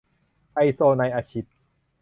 ไอโซไนอะซิด